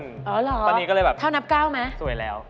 ตอนนี้ก็เลยแบบสวยแล้ว